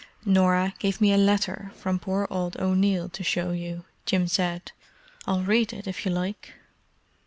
"Norah gave me a letter from poor old O'Neill to show you," Jim said. "I'll read it, if you like."